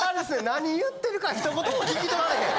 何言ってるかひと言も聞き取られへん。